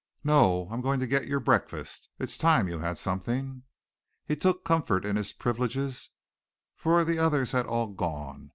"No. I'm going to get you your breakfast. It's time you had something." He took comfort in his privileges, for the others had all gone.